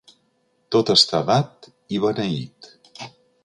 Tot està dat i beneït.